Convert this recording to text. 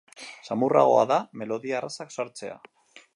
Samurragoa da melodia errazak sartzea.